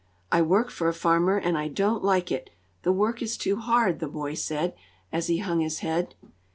"I work for a farmer, and I don't like it the work is too hard," the boy said, as he hung his head.